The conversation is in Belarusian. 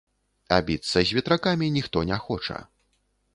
А біцца з ветракамі ніхто не хоча.